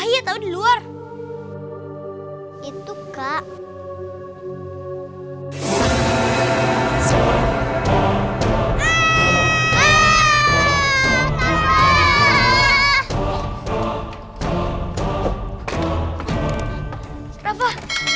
ada takutu belum pengen lembar